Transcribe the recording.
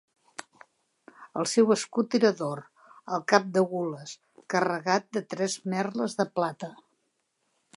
El seu escut era d'or, al cap de gules, carregat de tres merles de plata.